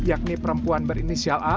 yakni perempuan berinisial a